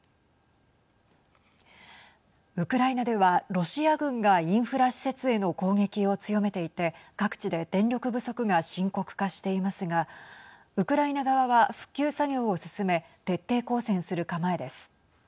ウクライナでは、ロシア軍がインフラ施設への攻撃を強めていて各地で電力不足が深刻化していますがウクライナ側は復旧作業を進め徹底抗戦する構えです。